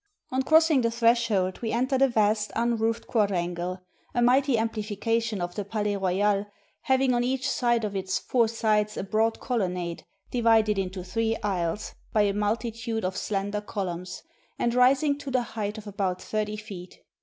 On crossing the threshold we entered a vast unroofed quadrangle, a mighty amplification of the Palais Royal, having on each side of its four sides a broad colonnade, di vided into three aisles by a multitude of slender columns, and rising to the height of about thirty feet.